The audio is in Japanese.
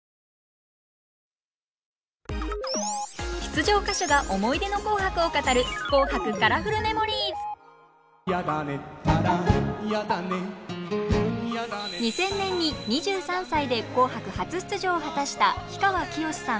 出場歌手が思い出の「紅白」を語る２０００年に２３歳で「紅白」初出場を果たした氷川きよしさん。